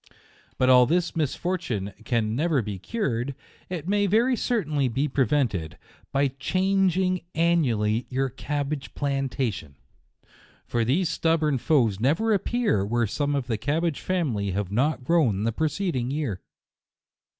But although this misfortune can never be cured, it may very certainly be prevented, by changing annually your cabbage plantation ; for these stubborn, foes never appear where some of the cabbage family have not grown the preceding year.